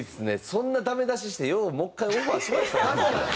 そんなダメ出ししてようもう１回オファーしましたね。